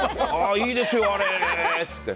いいですよ、あれって言って。